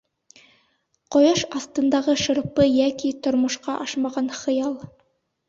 ҠОЯШ АҪТЫНДАҒЫ ШЫРПЫ ЙӘКИ ТОРМОШҠА АШМАҒАН ХЫЯЛ